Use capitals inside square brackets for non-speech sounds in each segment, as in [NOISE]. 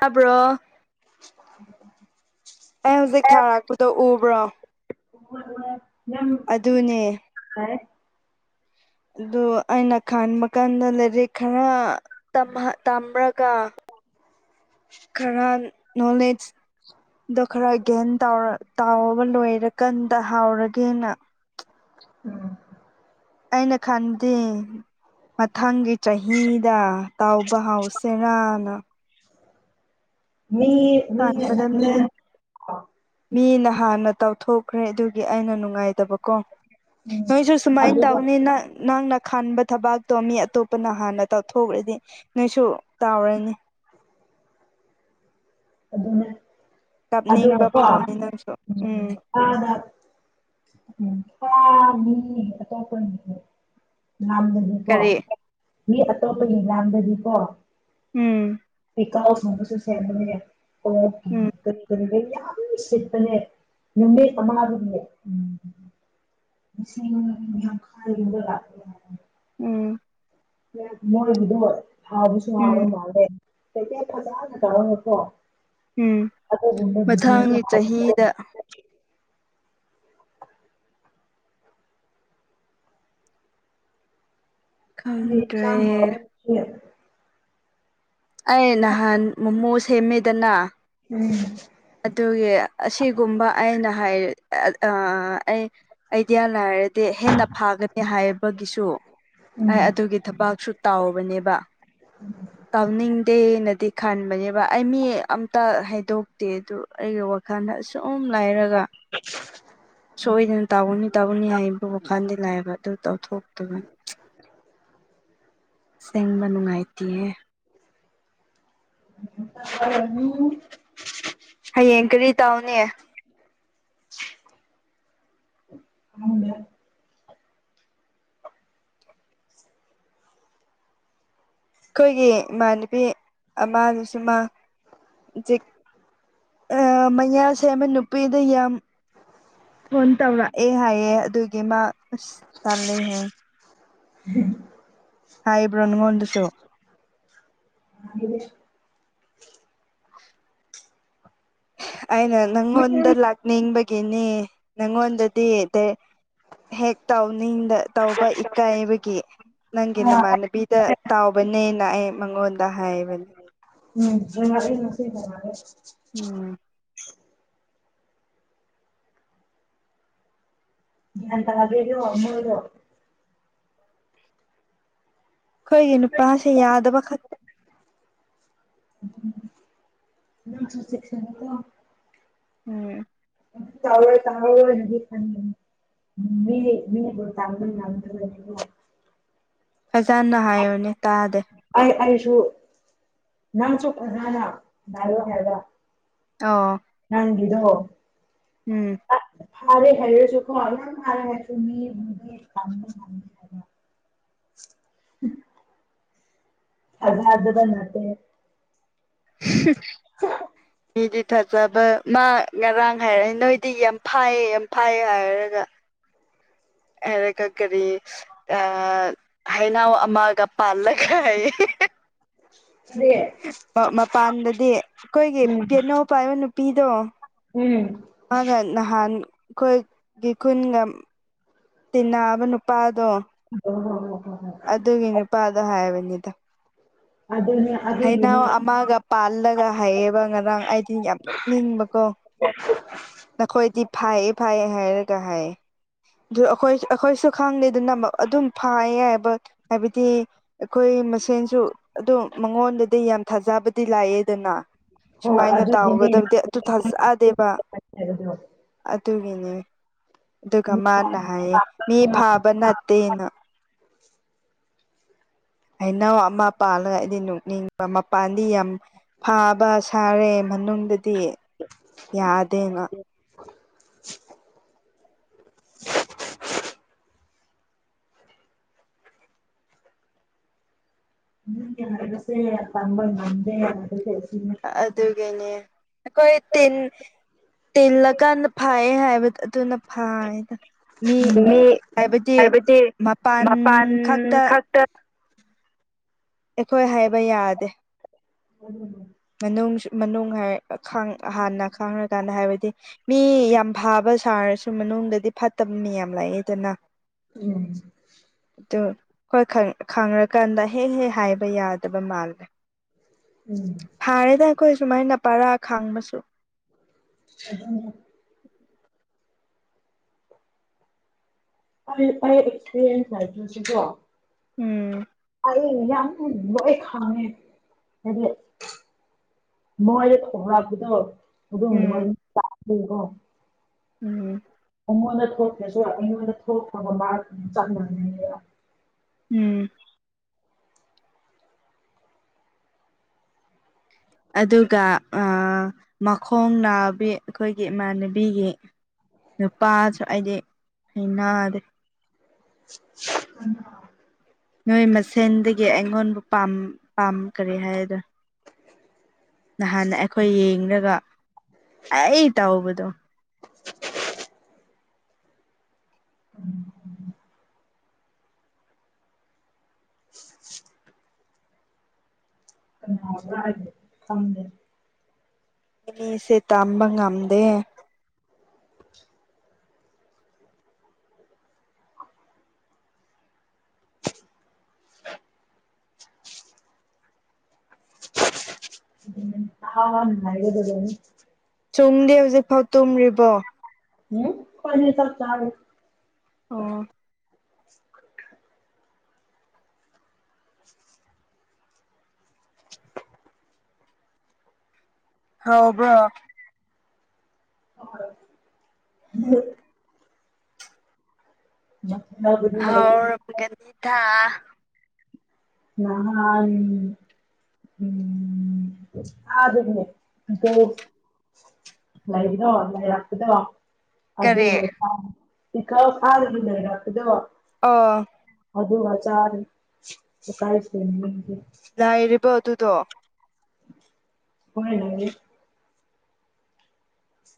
ꯇꯥꯕ꯭ꯔꯣ ꯑꯩ ꯍꯧꯖꯤꯛ ꯊꯥꯔꯛꯄꯗꯣ ꯎꯕ꯭ꯔꯣ [UNINTELLIGIBLE] ꯑꯗꯨꯅꯦ ꯍꯩ ꯑꯗꯨ ꯑꯩꯅ ꯈꯟꯕ ꯀꯥꯟꯗ ꯂꯥꯏꯔꯤꯛ ꯈꯔ ꯇꯝꯍ ꯇꯝꯔꯒ ꯈꯔ ꯅꯣꯂꯦꯖ ꯑꯗꯣ ꯈꯔ ꯒꯤꯟ ꯇꯥꯎꯔ ꯇꯥꯎꯑꯣꯕ ꯂꯣꯏꯔꯀꯥꯟꯗ ꯍꯥꯎꯔꯒꯦꯅ ꯎꯝ ꯑꯩꯅ ꯈꯟꯗꯤ ꯃꯊꯪꯒꯤ ꯆꯍꯤꯗ ꯇꯥꯎꯕ ꯍꯥꯎꯁꯤꯔꯅ ꯃꯤ ꯃꯤ ꯎꯝ ꯈꯥꯟꯕꯗ ꯃꯤ ꯃꯤꯅ ꯍꯥꯟꯅ ꯇꯧꯊꯣꯛꯈ꯭ꯔꯦ ꯑꯗꯨꯒꯤ ꯑꯩꯅ ꯅꯨꯡꯉꯥꯏꯇꯕ ꯀꯣ ꯅꯣꯏꯁꯨ ꯁꯨꯃꯥꯏꯅ ꯑꯗꯨꯒ ꯇꯧꯅꯤ ꯅꯪꯅ ꯈꯥꯟꯕ ꯊꯕꯛꯇꯣ ꯃꯤ ꯑꯇꯣꯞꯄꯅ ꯍꯥꯟꯅ ꯇꯧꯊꯣꯛꯈ꯭ꯔꯗꯤ ꯅꯣꯏꯁꯨ ꯇꯥꯎꯔꯅꯤ [INAUDIBLE] ꯑꯗꯨꯅꯦ ꯀꯥꯞꯅꯤꯡꯕ ꯑꯗꯨꯒꯀꯣ ꯐꯥꯎꯅꯤ ꯅꯪꯁꯨ ꯎꯝ ꯄꯥꯅ ꯎꯝ ꯄꯨꯔꯥ ꯃꯤ ꯑꯇꯣꯞꯄ ꯀꯔꯤ [UNINTELLIGIBLE] ꯃꯤ ꯑꯇꯣꯞꯄꯒꯤ ꯂꯥꯡꯗꯗꯤꯀꯣ ꯎꯝ ꯆꯍꯥꯎ ꯁꯨꯡꯕꯁꯨ ꯁꯦꯝꯕꯅꯦ ꯀꯣꯛ ꯎꯝ ꯀꯤ ꯀ꯭ꯔꯤ ꯀꯔ꯭ꯤꯅꯣ ꯌꯥꯝ ꯂꯩ ꯅꯦ ꯁꯤꯄꯅꯦ ꯅꯨꯃꯤꯠ ꯑꯃ ꯅꯤ ꯂꯤꯁꯤꯡ ꯌꯥꯡꯈꯩ ꯃꯨꯛ ꯂꯥꯛꯑꯦ ꯍꯥꯏꯕꯅꯦ ꯎꯝ ꯃꯣꯏꯒꯤꯗꯣ ꯍꯥꯥꯎꯕꯁꯨ ꯎꯝ ꯍꯥꯎꯕ ꯃꯥꯂꯦ ꯄꯦꯀꯦꯠ ꯐꯖꯅ ꯇꯧꯔꯒꯀꯣ ꯎꯝ ꯑꯗꯨꯒꯨꯝꯕ ꯕꯤꯁꯅꯦꯁ ꯃꯊꯪꯒꯤ ꯆꯍꯤꯗ [UNINTELLIGIBLE] ꯈꯪꯗ꯭ꯔꯦ [UNINTELLIGIBLE] ꯑꯩ ꯅꯍꯥꯟ ꯃꯣꯃꯣ ꯁꯦꯝꯃꯦꯗꯅ ꯑꯗꯨꯒꯤ ꯑꯁꯤꯒꯨꯝꯕ ꯑꯩꯅ ꯑꯩ ꯑꯥ ꯑꯩ ꯑꯥꯏꯗꯤꯌꯥ ꯂꯥꯏꯔꯗꯤ ꯍꯦꯟꯅ ꯐꯒꯅꯤ ꯍꯥꯏꯕꯒꯤꯁꯨ ꯑꯩ ꯑꯗꯨꯒꯤ ꯊꯕꯛꯁꯨ ꯇꯥꯎꯕꯅꯦꯕ ꯇꯧꯅꯤꯡꯗꯦꯅꯗꯤ ꯈꯟꯕꯅꯦꯕ ꯑꯩ ꯃꯤ ꯑꯝꯇ ꯍꯥꯏꯗꯣꯛꯇꯦ ꯑꯗꯨ ꯑꯩꯒꯤ ꯥꯍꯥꯟ ꯑꯁꯨꯨꯝ ꯂꯩꯏꯔꯒ ꯁꯣꯏꯗꯅ ꯇꯩꯒꯅꯤ ꯇꯧꯒꯅꯤ ꯍꯥꯏꯕ ꯋꯥꯈꯜꯗꯤ ꯂꯩꯕ ꯑꯗꯨ ꯂꯧꯊꯣꯛꯇꯣꯏꯅꯤ ꯁꯦꯡꯕ ꯅꯨꯡꯉꯥꯏꯇꯤꯌꯦ [UNINTELLIGIBLE] ꯍꯌꯦꯡ ꯀꯔꯤ ꯇꯧꯅꯤ ꯈꯪꯗꯦ ꯑꯩꯈꯣꯏꯒꯤ ꯏꯃꯥꯟꯅꯕꯤ ꯑꯃꯅꯁꯨ ꯃꯥ ꯍꯧꯖꯤꯛ ꯑ ꯃꯌꯥꯥꯁꯦꯝꯕ ꯅꯨꯄꯤꯗꯤ ꯌꯥꯝ ꯐꯣꯟ ꯇꯧꯔꯛꯑꯦ ꯍꯥꯏꯌꯦ ꯑꯗꯨꯒꯤ ꯃꯥ ꯑꯁ ꯇꯜꯂꯦ ꯍꯥꯏ [INAUDIBLE] ꯍꯥꯏꯕ꯭ꯔꯣ ꯅꯪꯉꯣꯟꯗꯁꯨ [INAUDIBLE] ꯑꯥꯏꯅ ꯅꯪ ꯉꯣꯟꯗ ꯂꯥꯛꯅꯤ ꯕꯒꯤ ꯒꯤꯅꯦ ꯅꯪꯉꯣꯟꯗꯗꯤ ꯍꯦꯛ ꯇꯧꯅꯤꯡꯗ ꯇꯧꯕ ꯏꯀꯥꯏꯕꯒꯤ ꯅꯪꯒꯤ ꯅꯃꯥꯟꯅꯕꯤꯗ ꯇꯥꯎꯕꯅꯦꯅ ꯑꯩ ꯃꯉꯣꯟꯗ ꯗ ꯍꯥꯏꯕꯅꯦ [UNINTELLIGIBLE] ꯎꯝ ꯒ꯭ꯌꯥꯟ ꯇ꯭ꯗꯔꯤꯗꯣ ꯅꯣꯏꯔꯣ ꯑꯩꯈꯣꯏꯒꯤ ꯅꯨꯄꯥꯁꯦ ꯌꯥꯗꯕ ꯈꯛꯇ [UNINTELLIGIBLE] ꯎꯝ [UNINTELLIGIBLE] [UNINTELLIGIBLE] ꯐꯖꯅ ꯍꯥꯏꯌꯨꯅꯦ ꯇꯥꯗꯦ ꯑꯩ ꯑꯩꯁꯨ ꯅꯪꯁꯨ ꯐꯖꯅ [UNINTELLIGIBLE] ꯑꯧ [UNINTELLIGIBLE] ꯎꯝ ꯐꯔꯦ ꯍꯥꯏꯔꯁꯨ ꯈꯣ ꯐꯔꯦ ꯍꯥꯏꯁꯨ ꯃꯤ ꯀ ꯍꯥꯏꯔ [UNINTELLIGIBLE] ꯑꯗ ꯑꯗ ꯅꯇꯦ [UNINTELLIGIBLE] [UNINTELLIGIBLE] ꯃꯤꯗꯤ ꯊꯥꯖꯕ ꯃꯥ ꯉꯔꯥꯡ ꯍꯥꯏꯔꯛꯅꯤ ꯅꯣꯏꯗꯤ ꯌꯥꯝ ꯐꯥꯏꯌꯦ ꯌꯥꯝ ꯐꯥꯏꯌꯦ ꯍꯥꯏꯔꯒ [INAUDIBLE] ꯍꯥꯏꯔꯒ ꯀꯔꯤ ꯑꯥ ꯍꯩꯅꯥꯎ ꯑꯃꯒ ꯄꯥꯜꯂꯒ ꯍꯥꯏ ꯁꯤ ꯃꯄꯥꯟꯗꯗꯤ ꯑꯩꯈꯣꯏꯒꯤ ꯎꯝ ꯀꯩꯅꯧ ꯄꯥꯏꯕ ꯅꯨꯄꯤꯗꯣ ꯎꯝ ꯃꯥꯒ ꯅꯍꯥꯟ ꯑꯩꯈꯣꯏꯒꯤ ꯈꯨꯟꯒ ꯇꯤꯟꯅꯕ ꯅꯨꯄꯥ ꯄꯥꯗꯣ ꯑꯣ ꯍꯣ ꯍꯣ ꯍꯣ ꯍꯣ ꯑꯗꯨꯒꯤ ꯅꯨꯄꯥꯗꯣ ꯍꯥꯏꯕꯅꯤꯗ ꯑꯗꯨꯅꯦ ꯍꯩꯅꯎ ꯑꯗꯨꯒꯤꯅꯦ ꯑꯃꯒ ꯄꯥꯜꯂꯒ ꯍꯥꯏꯌꯦꯕ ꯉꯔꯥꯡ ꯑꯩꯗꯤ ꯌꯥꯝ ꯅꯨꯛꯅꯤꯡꯕꯀꯣ [UNINTELLIGIBLE] ꯅꯈꯣꯏꯗꯤ ꯐꯌꯦ ꯐꯩꯌꯦ ꯍꯥꯏꯔꯒ ꯍꯥꯏ ꯑꯗꯨ ꯑꯩꯈꯣꯏ ꯑꯩꯈꯣꯏꯁꯨ ꯈꯪꯗꯦ ꯑꯗꯨꯅ ꯑꯗꯨꯝ ꯐ ꯌꯥꯕ ꯍꯥꯏꯕꯗꯤ ꯑꯩꯈꯣꯏ ꯑꯩ ꯃꯁꯦꯟꯁꯨ ꯑꯗꯨꯝ ꯃꯉꯣꯟꯗꯗꯤ ꯌꯥꯝ ꯊꯥꯖꯕꯗꯤ ꯂꯥꯛꯑꯦꯗꯅ ꯍꯣꯏ ꯁꯨꯃꯥꯏꯅ ꯑꯗꯨꯒꯤꯅꯦ ꯇꯥꯎꯒꯗꯕꯗꯤ ꯑꯗꯨ ꯊꯥꯖꯗꯦꯕ ꯍꯥꯏꯕꯗꯣ ꯑꯗꯨꯒꯤꯅꯦ ꯑꯗꯨꯒ ꯃꯤ ꯃꯥꯅ ꯍꯥꯏꯌꯦ ꯃꯤ ꯐꯥꯕ ꯅꯠꯇꯦꯅ [INAUDIBLE] ꯍꯩꯅꯥꯎ ꯑꯃ ꯄꯥꯜꯂꯒ ꯑꯩꯗꯤ ꯅꯣꯛꯅꯤꯡꯕ ꯃꯄꯥꯟ ꯗꯤ ꯌꯥꯝ ꯐꯥꯕ ꯁꯥꯔꯦ ꯃꯅꯨꯡꯗꯗꯤ ꯌꯥꯗꯦ ꯉꯥ [INAUDIBLE] ꯁꯦ ꯀꯝꯕ ꯉꯦꯁꯦ [UNINTELLIGIBLE] [INAUDIBLE] ꯑꯗꯨꯒꯤꯅꯦ ꯑꯩꯈꯣꯏ ꯇꯤꯟ ꯇꯤꯂꯀꯥꯟꯗ ꯐꯥꯏ ꯑꯦ ꯍꯥꯏꯕ ꯑꯗꯨꯅ ꯐꯥꯏꯗ ꯃꯤ ꯍꯥꯏꯕꯗꯤ ꯃꯄꯥꯟ ꯈꯛꯇ ꯑꯩꯈꯣꯏ ꯍꯥꯏꯕ ꯌꯥꯗꯦ [INAUDIBLE] ꯅꯪꯁꯨ ꯃꯅꯨꯡ ꯍꯥꯏ ꯈꯟ ꯍꯥꯟꯅ ꯈꯥꯡꯉꯀꯥꯟꯗ ꯍꯥꯏꯕꯗꯤ ꯃꯤ ꯌꯥꯝ ꯐꯥꯕ ꯁꯥꯔꯁꯨ ꯃꯅꯨꯡꯗꯗꯤ ꯐꯠꯇꯕ ꯃꯤ ꯌꯥꯝ ꯂꯥꯛꯑꯦꯗꯅ ꯎꯝ ꯑꯗꯨ ꯍꯣꯏ ꯈꯪ ꯈꯪꯔꯀꯥꯟꯗ ꯍꯦꯛ ꯍꯦꯛ ꯍꯥꯏꯕ ꯌꯥꯗꯕ ꯃꯥꯜꯂꯦ ꯎꯝ ꯐꯥꯔꯦꯗ ꯑꯩꯈꯣꯏ ꯁꯨꯃꯥꯏꯅ ꯄꯔꯥ ꯈꯥꯡꯃꯁꯨ ꯑꯍꯨꯝ ꯑꯩ ꯑꯩ ꯑꯦꯛꯁꯄꯤꯔꯤꯟꯁ [UNINTELLIGIBLE] ꯀꯣ ꯎꯝ ꯑꯩ ꯌꯥꯝ ꯂꯣꯏ ꯈꯥꯉꯦ ꯍꯥꯏꯗꯤ ꯃꯣꯏ ꯊꯣꯔꯛꯄꯗꯣ ꯑꯗꯨꯒꯨꯝꯕ ꯃꯣꯢ ꯎꯝ ꯇꯥꯁ ꯄꯤꯕ꯭ꯔꯣ ꯎꯝ ꯑꯩꯉꯣꯟꯗ ꯊꯣꯛꯇ꯭ꯔꯁꯨ ꯑꯩꯉꯣꯟꯗ ꯊꯣꯛꯄꯒ ꯃꯥ ꯑꯗꯨꯝ ꯆꯞ ꯃꯥꯟꯅꯩꯕ ꯎꯝ ꯑꯗꯨꯒ ꯑꯥ ꯃꯈꯣꯡ ꯅꯥꯕꯤ ꯑꯩꯈꯣꯏꯒꯤ ꯏꯃꯥꯟꯅꯕꯤꯒꯤ ꯅꯨꯄꯥꯁꯨ ꯑꯩꯗꯤ ꯍꯩꯅꯥꯗꯦ [INAUDIBLE] ꯅꯣꯏ ꯃꯁꯦꯟꯗꯒꯤ ꯑꯩꯉꯣꯟꯕꯨ ꯄꯥꯝ ꯄꯥꯝ ꯀꯔꯤ ꯍꯥꯏꯌꯦꯗꯣ ꯅꯍꯥꯟ ꯑꯩꯈꯣꯏ ꯌꯦꯔꯒ ꯑꯩ ꯇꯥꯎꯕꯗꯣ ꯅꯥꯎꯆꯥ ꯑꯩ ꯈꯪꯗꯦ ꯑꯩꯗꯤꯁꯦ ꯇꯝꯕ ꯉꯝꯗꯦ ꯑꯍꯥ ꯍꯥ ꯅꯥꯏꯌꯣꯗꯣꯗꯨꯝ ꯆꯨꯝꯗꯦ ꯍꯧꯖꯤꯛꯐꯥꯎ ꯇꯨꯝꯔꯤꯕꯣ ꯍꯝ ꯑꯈꯣꯢꯅꯤ ꯆꯥꯛ ꯆꯔꯦ ꯑꯣ ꯍꯥꯎꯕ꯭ꯔꯣ ꯎꯝ ꯌꯥꯝ ꯍꯥꯎꯔꯝꯒꯅꯤꯗ ꯥꯅꯍꯥꯟ ꯎꯝ ꯑ ꯑꯗꯨꯅꯦ ꯍꯦꯇ ꯂꯩꯗꯣ ꯂꯩꯔꯛꯄꯣꯗ ꯀꯔꯤ ꯑꯗꯨꯒ ꯀ ꯏꯀ ꯐꯥꯔꯒ ꯂꯩꯔꯛꯄꯗꯣ ꯑꯣ ꯑꯗꯨ ꯆꯥꯗ꯭ꯔꯤ ꯗꯨꯀꯥꯜ ꯁꯦꯝ ꯂꯥꯏꯔꯤꯕ ꯑꯗꯨꯗꯣ ꯍꯣꯏꯅꯦ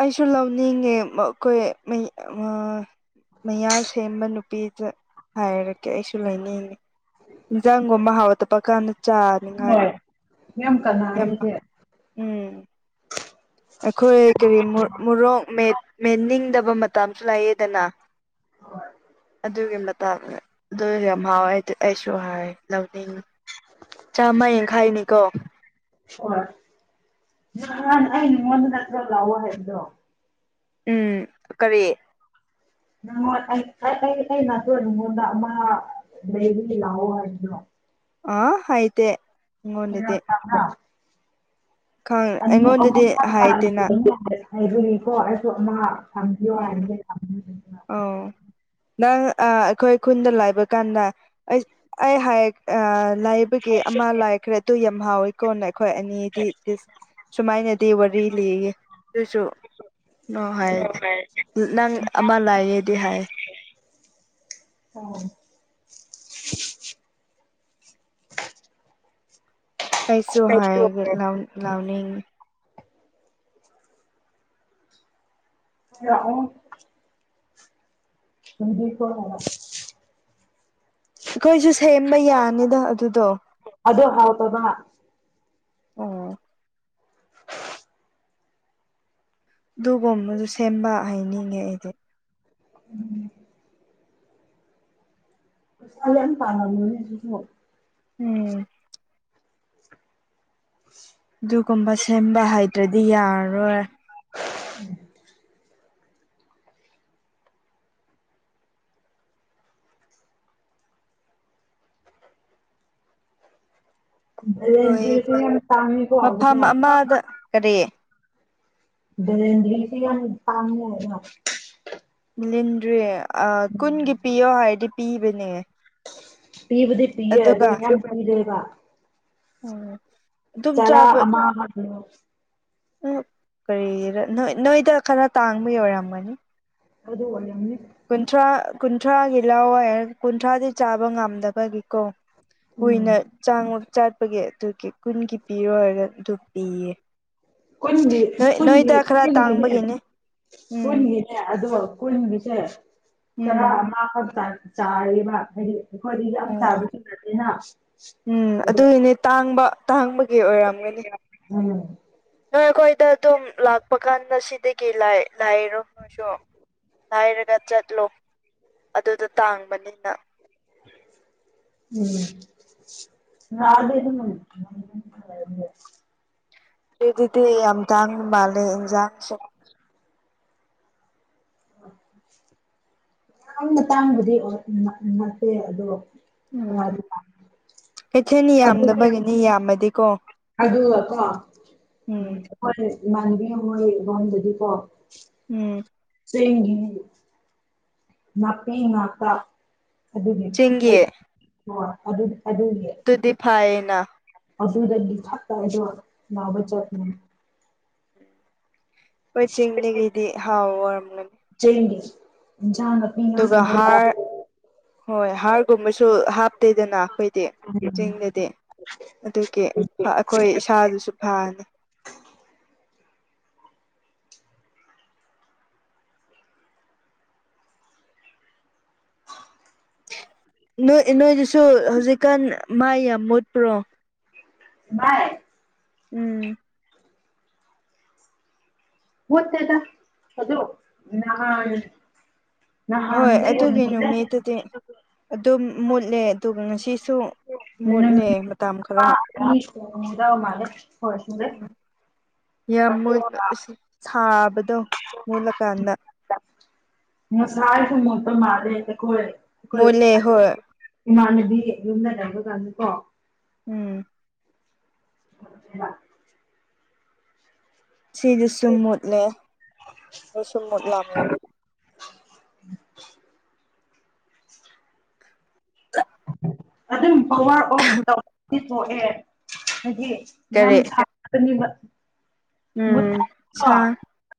ꯑꯩꯁꯨ ꯂꯧꯅꯤꯡꯉꯦ ꯃꯈꯣꯏ ꯃꯌꯥ ꯉ ꯃꯌꯥꯝ ꯁꯦꯝꯕ ꯅꯨ ꯄꯤꯗ ꯍꯥꯏꯔꯛꯀꯦ ꯑꯩꯁꯨ ꯂꯩꯅꯤꯡꯉꯤ ꯏꯟꯖꯥꯡꯒꯨꯝꯕ ꯍꯥꯎ ꯗꯕꯀꯥꯟꯗ ꯆꯥꯅꯤꯡꯉꯥꯏ ꯍꯣꯏ ꯌꯥꯝ ꯌꯥꯝ ꯀꯅꯥꯏ ꯑ ꯍꯧꯖꯤꯛ ꯎꯝ ꯑꯩꯈꯣꯏ ꯀꯔꯤ ꯃꯣ ꯃꯣꯔꯣꯛ ꯃꯦꯠ ꯃꯦꯠꯅꯤꯡꯗꯕ ꯃꯇꯝ ꯂꯩꯌꯦꯗꯅ ꯍꯣꯏ ꯑꯗꯨꯒꯤ ꯃꯇꯥꯡꯗ ꯑꯗꯨ ꯌꯥꯝ ꯍꯥꯎꯋꯦ ꯑꯩꯁꯨ ꯍꯥꯏ ꯂꯧꯅꯤꯡ ꯆꯥꯝꯃ ꯌꯦꯡꯈꯥꯏꯅꯤꯀꯣ ꯍꯣꯏ ꯅꯍꯥꯟ ꯑꯩ ꯅꯉꯣꯟꯗ ꯅꯠꯇ꯭ꯔꯣ ꯂꯥꯛꯑꯣ ꯍꯥꯏꯕꯗꯣ ꯎꯝ ꯀꯔꯤ ꯅꯉꯣꯟ ꯑꯩ ꯑꯩ ꯑꯩ ꯑꯩ ꯅꯉꯣꯟ ꯏꯪꯒꯟꯗ ꯑꯃ ꯂꯩꯕꯒꯤ ꯂꯥꯛꯑꯣ ꯍꯥꯢꯕꯗꯨ ꯑ ꯍꯥꯏꯗꯦ ꯑꯩꯉꯣꯟꯗꯗꯤ ꯃꯦꯔꯥꯡ ꯅꯝꯕ꯭ꯔꯥ ꯑꯅꯤ ꯑꯩꯉꯣꯟꯗꯗꯤ ꯑꯍꯨꯝ ꯍꯥꯏꯗꯦꯅ ꯐꯕꯀꯟꯗꯗꯤ ꯍꯥꯏꯔꯦꯀꯣ ꯑꯩꯁꯨ ꯑꯃ ꯊꯝꯕꯤꯌꯣ ꯎꯝ ꯍꯥꯢꯕꯅꯦꯕ ꯑꯗꯨꯗꯨꯅ ꯑꯧ ꯅꯪ ꯑꯥ ꯑꯩꯈꯣꯏ ꯈꯨꯟꯗ ꯂꯩꯕ ꯀꯥꯟꯗ ꯑꯩ ꯑꯩ ꯍꯥꯏꯌꯦ ꯑꯥ ꯂꯩꯕꯒꯤ ꯑꯃ ꯂꯥꯏꯈ꯭ꯔꯦ ꯑꯗꯨ ꯌꯥꯝ ꯍꯥꯎꯋꯤ ꯀꯣꯟꯅ ꯑꯩꯈꯣꯏ ꯑꯅꯤꯗꯤ ꯗꯤꯁ- ꯁꯨꯃꯥꯏꯅꯗꯤ ꯋꯥꯔꯤ ꯂꯤꯌꯦ ꯑꯗꯨꯁꯨ ꯅꯣ ꯍꯥꯏꯌꯦ ꯅꯪ ꯑꯃ ꯂꯩꯌꯦꯗꯤ ꯍꯥꯏꯌꯦ ꯑꯣ [INAUDIBLE] ꯑꯩꯁꯨ ꯍꯥꯏ ꯂꯥꯎ ꯂꯥꯎꯅꯤꯡ ꯂꯛꯑꯣ [UNINTELLIGIBLE] ꯑꯩꯈꯣꯏꯁꯨ ꯁꯦꯝꯕ ꯌꯥꯅꯤꯗ ꯑꯗꯨꯗꯣ ꯑꯗꯣ ꯍꯥꯎꯇꯕ ꯑꯣ ꯑꯗꯨꯒꯨꯝꯕꯗꯨ ꯁꯦꯝꯕ ꯍꯩꯅꯤꯡꯉꯦ ꯑꯩꯗꯤ [INAUDIBLE] ꯄꯩꯁꯥ ꯌꯥꯝ ꯇꯥꯜꯂꯝꯒꯅꯤ ꯍꯧꯖꯤꯛꯁꯨ ꯎꯝ [INAUDIBLE] ꯑꯗꯨꯒꯨꯝꯕ ꯁꯦꯝꯕ ꯍꯩꯇ꯭ꯔꯥꯗꯤ ꯌꯥꯔꯔꯣꯏ ꯎꯝ ꯀꯣꯏ ꯕꯦꯂꯦꯟꯗ꯭ꯔꯤꯁꯨ ꯌꯥꯝ ꯇꯥꯡꯉꯦꯀꯣ ꯍꯧꯖꯤꯛ ꯃꯐꯝ ꯀꯥꯟ ꯑꯃꯗ ꯀꯔꯤ ꯕꯦꯂꯦꯟꯗ꯭ꯔꯤꯁꯨ ꯌꯥꯝ ꯇꯥꯡꯉꯦ ꯑꯣ ꯕꯦꯂꯦꯟꯗ꯭ꯔꯤ ꯑꯥ ꯀꯨꯟꯒꯤ ꯄꯤꯌꯣ ꯍꯥꯏꯔꯗꯤ ꯄꯤꯕꯅꯦ ꯄꯤꯕꯗꯤ ꯄꯤꯌꯦ ꯑꯗꯣ ꯑꯗꯨꯒ ꯌꯥꯝ ꯄꯤꯗꯦꯕ ꯎꯝ ꯑꯗꯨꯝ ꯆꯔꯥ ꯑꯃ ꯍꯞꯄꯤꯌꯨ ꯎꯝ ꯀꯔꯤꯔ ꯅꯣꯢ ꯅꯣꯏꯗ ꯈꯔ ꯇꯥꯡꯕꯒꯤ ꯑꯣꯏꯔꯝꯒꯅꯤ ꯑꯗꯨ ꯑꯣꯢꯔꯝꯅꯤ ꯀꯨꯟꯊ꯭ꯔꯥ ꯀꯨꯟꯊ꯭ꯔꯥꯒꯤ ꯂꯧꯋꯦ ꯀꯨꯟꯊ꯭ꯔꯥꯗꯤ ꯆꯥꯕ ꯉꯝꯗꯕꯒꯤꯀꯣ ꯎꯝ ꯀꯨꯏꯅ ꯆꯥꯡꯉꯣꯆꯠ ꯑꯩꯈꯣꯏꯒꯤ ꯑꯗꯨꯒꯤ ꯀꯨꯟꯒꯤ ꯄꯤꯌꯣ ꯍꯥꯢꯔꯗꯤ ꯑꯗꯨꯝ ꯄꯤꯌꯦ ꯀꯨꯟꯒꯤ ꯅꯣꯏ ꯀꯨꯟꯒꯤ ꯅꯣꯏꯗ ꯈꯔ ꯀꯨꯟꯒꯤꯅꯦ ꯇꯥꯡꯕꯒꯤꯅꯦ ꯎꯝ ꯀꯨꯟꯒꯤꯅꯦ ꯑꯗꯣ ꯀꯨꯟꯒꯤꯁꯦ ꯆꯔꯥ ꯎꯝ ꯑꯃꯈꯛꯇ ꯆꯥꯔꯦꯕ ꯍꯥꯏꯗꯤ ꯑꯩꯈꯣꯏꯗꯤ ꯌꯥꯝ ꯆꯥꯕꯁꯨ ꯅꯠꯇꯦꯅ ꯎꯝ ꯑꯗꯣ ꯑꯗꯨꯒꯤꯅꯦ ꯇꯥꯡꯕ ꯇꯥꯡꯕꯒꯤ ꯑꯣꯏꯔꯝꯒꯅꯤ ꯎꯝ ꯎꯝ ꯍꯣꯏ ꯑꯩꯈꯣꯏꯗ ꯑꯗꯨꯝ ꯂꯥꯛꯄ ꯀꯥꯟꯗ ꯁꯤꯗꯒꯤ ꯂꯩ ꯂꯩꯔꯣ ꯅꯣꯏꯁꯨ ꯍꯥꯏꯔꯒ ꯆꯠꯂꯣ ꯑꯗꯨꯗ ꯇꯥꯡꯕꯅꯤꯅ ꯎꯝ ꯅꯔꯥꯗꯤ ꯑꯗꯨꯝ ꯂꯝꯂꯣꯡꯗ ꯂꯩꯕꯅꯦ ꯗꯨꯗꯤ ꯌꯥꯝ ꯇꯥꯡꯕ ꯃꯥꯜꯂꯦ ꯏꯟꯖꯥꯡ ꯁꯦ ꯌꯥꯝꯅ ꯇꯥꯡꯕꯗꯤ ꯑꯣꯏ ꯅꯠꯇꯦ ꯑꯗꯣ ꯎꯝ ꯀꯅꯥꯗꯤ ꯇꯥꯡ ꯀꯩꯊꯦꯜ ꯑꯗꯨ ꯌꯥꯝꯗꯕꯒꯤꯅꯤ ꯌꯥꯝꯃꯗꯤꯀꯣ ꯑꯗꯨꯒ ꯀꯣ ꯎꯝ ꯑꯈꯣꯏ ꯏꯃꯥꯟꯕꯤ ꯍꯣꯏꯔꯣꯝꯗꯗꯤꯀꯣ ꯎꯝ ꯆꯦꯡꯒꯤꯅꯤ ꯅꯥꯄꯤ ꯉꯥꯛꯇꯥ ꯑꯗꯨꯒꯤ ꯆꯤꯡꯒꯤ ꯁꯔꯨꯛ ꯍꯣꯢ ꯑꯗꯨꯒꯤ ꯑꯗꯨꯗꯤ ꯐꯩꯑꯦꯅ ꯑꯗꯨꯗꯒꯤ ꯁꯛꯇꯁꯨ ꯅꯕꯥ ꯆꯠꯂꯤꯅꯦ ꯑꯩꯈꯣꯏ ꯆꯤꯡꯗꯒꯤꯗꯤ ꯍꯥꯎꯔꯝꯒꯅꯤ ꯑꯄꯤ ꯑꯗꯨꯒ ꯉꯛꯇꯅꯦꯕꯥ ꯍꯥꯔ ꯍꯣꯏ ꯍꯥꯔꯒꯨꯝꯕꯁꯨ ꯍꯥꯞꯇꯦꯗꯅ ꯑꯈꯣꯏꯗꯤ ꯎꯝ ꯆꯤꯡꯗꯗꯤ ꯑꯗꯨꯒꯤ ꯑꯈꯣꯏ ꯏꯁꯥꯗꯁꯨ ꯐꯍꯟꯂꯦ ꯅꯣꯏꯒꯤꯁꯨ ꯍꯧꯖꯤꯛꯀꯥꯟ ꯃꯩꯏ ꯌꯥꯝ ꯃꯨꯠꯄ꯭ꯔꯣ ꯃꯥꯏ ꯎꯝ ꯃꯨꯠꯇꯦꯗ ꯑꯗꯣ ꯅꯍꯥꯟ ꯍꯣꯏ ꯅꯍꯥꯟꯗꯤ ꯑꯗꯨꯒꯤ ꯑꯗꯨꯅꯦ ꯅꯨꯃꯤꯠꯇꯨꯗꯤ ꯑꯗꯨꯒ ꯑꯗꯨꯝ ꯃꯨꯠꯂꯦ ꯑꯗꯨꯒ ꯉꯁꯤꯁꯨ ꯅꯨꯃꯤꯠ ꯃꯨꯠꯂꯦ ꯃꯇꯝ ꯈꯔ꯭ ꯑꯃ [UNINTELLIGIBLE] ꯋꯥꯝ ꯃꯨꯠ ꯑꯗꯨꯒ ꯁꯨ ꯁꯥ ꯗꯣ ꯃꯨꯠꯂꯀꯥꯟꯗ ꯉꯁꯥꯏꯁꯨ [UNINTELLIGIBLE] ꯃꯨꯠꯂꯦ ꯍꯣꯏ ꯏꯃꯥꯟꯅꯕꯤ ꯌꯨꯝꯗ ꯂꯩꯕ ꯀꯥꯟꯗ ꯀꯣ ꯎꯝ [UNINTELLIGIBLE] ꯁꯤꯗꯁꯨ ꯃꯨꯠꯂꯦ ꯑꯗꯁꯨ ꯃꯨꯠꯂꯝꯒꯅꯤ ꯎꯝ ꯑꯗꯨꯝ ꯄꯋꯥꯔ ꯑꯣꯐ ꯇꯧꯕꯗꯤ ꯊꯣꯛꯑꯦ ꯍꯥꯏꯗꯤ ꯌꯥꯝ ꯀꯔꯤ ꯁꯥꯕꯅꯦꯕ ꯃꯨꯠ ꯎꯝ ꯁꯥ ꯊꯠꯄꯀꯣ